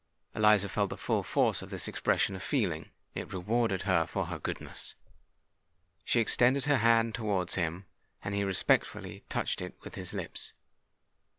Eliza felt the full force of this expression of feeling:—it rewarded her for her goodness! She extended her hand towards him; and he respectfully touched it with his lips.